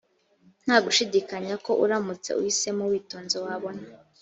nta gushidikanya ko uramutse uhisemo witonze wabona